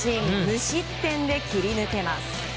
無失点で切り抜けます。